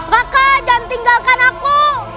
raka jangan tinggalkan aku